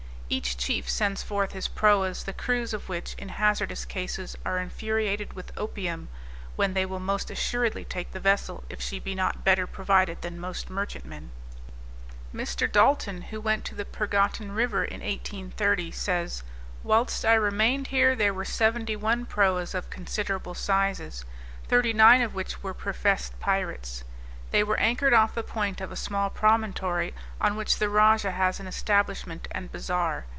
Each chief sends forth his proas, the crews of which, in hazardous cases, are infuriated with opium, when they will most assuredly take the vessel if she be not better provided than most merchantmen. Mr. Dalton, who went to the Pergottan river in 1830 says, "whilst I remained here, there were 71 proas of considerable sizes, 39 of which were professed pirates. They were anchored off the point of a small promontory, on which the rajah has an establishment and bazaar.